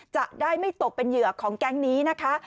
จะได้ไม่ตกเป็นเหยื่อของแก๊งนี้นะคะ